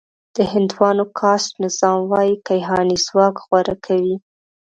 د هندوانو کاسټ نظام وايي کیهاني ځواک غوره کوي.